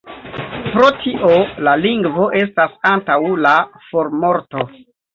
Pro tio la lingvo estas antaŭ la formorto.